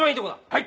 はい。